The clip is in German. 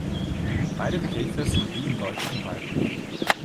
Beide Begriffe sind wie im Deutschen weiblich.